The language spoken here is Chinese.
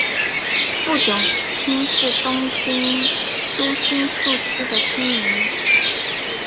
富久町是东京都新宿区的町名。